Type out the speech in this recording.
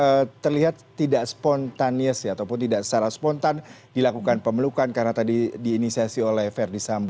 karena tadi mengatakan terlihat tidak spontanitas ya ataupun tidak secara spontan dilakukan pemelukan karena tadi diinisiasi oleh ferdis sambo